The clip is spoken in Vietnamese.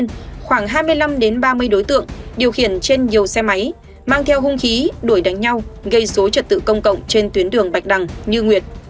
ba mươi đối tượng điều khiển trên nhiều xe máy mang theo hung khí đuổi đánh nhau gây số trật tự công cộng trên tuyến đường bạch đằng như nguyệt